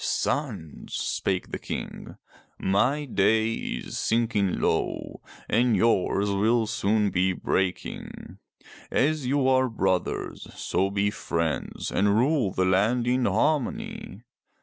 "Sons," spake the King, *'my day is sinking low and yours will soon be breaking. As you are brothers, so be friends and rule the land in harmony.